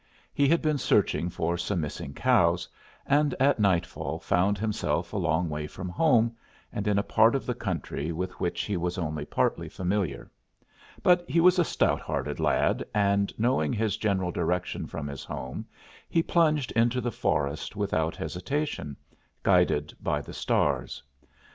He had lost himself while searching for some missing cows, and near midnight was a long way from home, in a part of the country with which he was unfamiliar. But he was a stout hearted lad, and knowing his general direction from his home, he plunged into the forest without hesitation, guided by the stars.